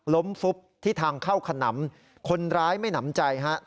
ฟุบที่ทางเข้าขนำคนร้ายไม่หนำใจฮะ